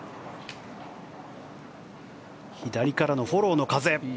左からのフォローの風。